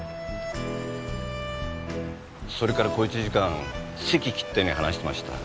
それから小一時間堰切ったように話してました。